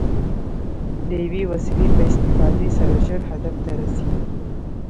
د یوې وسیلې په استفادې سره ژر هدف ته رسېږي.